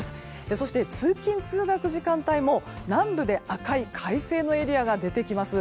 そして通勤・通学時間帯も南部で赤い快晴のエリアが出てきます。